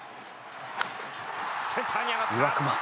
センターに上がった。